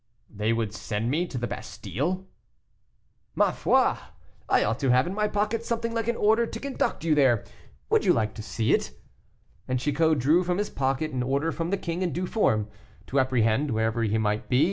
"They would send me to the Bastile?" "Ma foi! I ought to have in my pocket something like an order to conduct you there. Would you like to see it?" and Chicot drew from his pocket an order from the king in due form, to apprehend, wherever he might be, M.